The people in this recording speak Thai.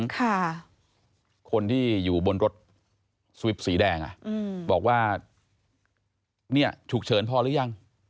ค่ะคนที่อยู่บนรถสวิปสีแดงอ่ะอืมบอกว่าเนี่ยฉุกเฉินพอหรือยัง